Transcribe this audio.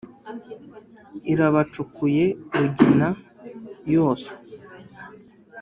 irabacukuye rugina.yose